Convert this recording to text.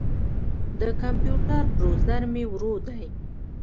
د کمپیوټر بروزر مې ورو دی.